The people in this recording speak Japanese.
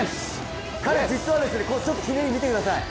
彼、実はですね、ひねり見てください。